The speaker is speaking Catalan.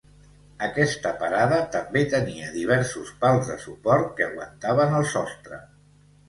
Aquesta parada també tenia diversos pals de suport que aguantaven el sostre.